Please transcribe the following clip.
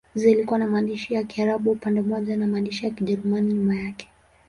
Zilikuwa na maandishi ya Kiarabu upande mmoja na maandishi ya Kijerumani nyuma yake.